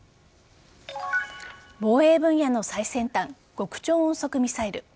防衛分野の最先端極超音速ミサイル。